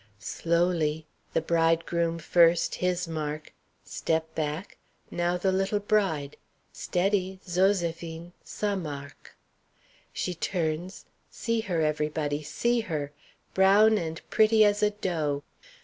Slowly! The bridegroom first, his mark. Step back. Now the little bride steady! Zoséphine, sa marque. She turns; see her, everybody; see her! brown and pretty as a doe!